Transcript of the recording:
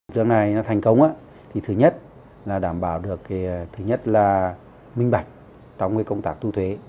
trước này nó thành công thì thứ nhất là đảm bảo được thứ nhất là minh bạch trong công tác thu thuế